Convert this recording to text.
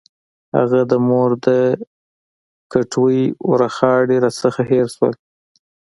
هغه د مور د کټوۍ ورخاړي راڅخه هېر شول.